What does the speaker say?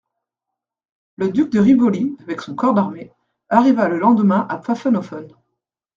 Le duc de Rivoli, avec son corps d'armée, arriva le lendemain à Pfaffenhoffen.